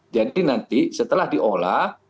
jadi nanti setelah diolah